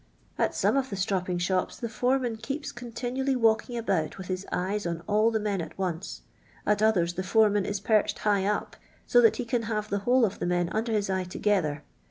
At some of the strapping shops the foreman keeps continually walking about with his eyes on all the men at once. At others the foreman is perched high up, so that he can have the whole of the men under his eye together.